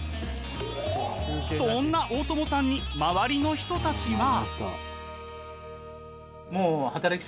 そんな大友さんに周りの人たちは。